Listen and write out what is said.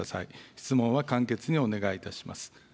質問は簡潔にお願いいたします。